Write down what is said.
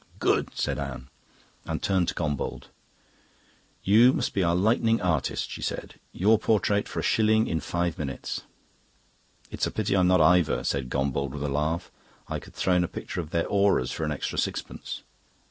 "Good!" said Anne; and turning to Gombauld, "You must be our lightning artist," she said. "'Your portrait for a shilling in five minutes.'" "It's a pity I'm not Ivor," said Gombauld, with a laugh. "I could throw in a picture of their Auras for an extra sixpence."